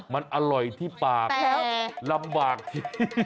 มันอร่อยที่ปากแล้วลำบากที